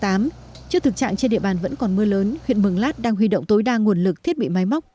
trước thực trạng trên địa bàn vẫn còn mưa lớn huyện mường lát đang huy động tối đa nguồn lực thiết bị máy móc